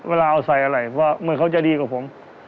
เวลาเอาใส่อะไรเพราะเหมือนเขาจะดีกว่าผม